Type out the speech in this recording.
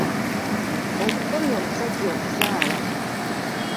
Okukomya omusajja okuzaala.